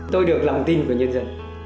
tôi được lòng tin của nhân dân